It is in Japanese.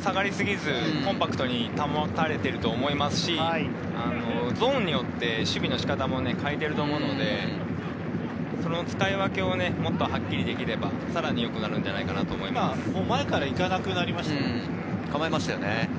下がりすぎずコンパクトに保たれてると思いますし、ゾーンによって守備の仕方も変えていると思うので、その使い分けをもっとはっきりできれば、さらに良くなるんじゃな前から行かなくなりましたよね。